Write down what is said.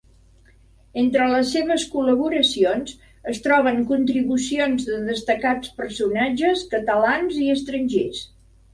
Entre les seves col·laboracions, es troben contribucions de destacats personatges catalans i estrangers.